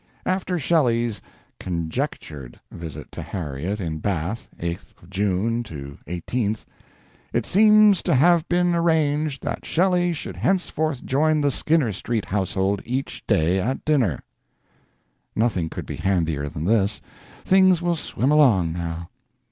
After Shelley's (conjectured) visit to Harriet at Bath 8th of June to 18th "it seems to have been arranged that Shelley should henceforth join the Skinner Street household each day at dinner." Nothing could be handier than this; things will swim along now.